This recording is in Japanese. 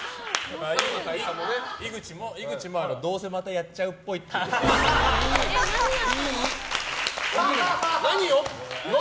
井口も、どうせまたやっちゃうっぽい何やったの？